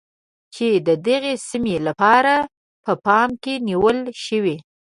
چې د دغې سیمې لپاره په پام کې نیول شوی.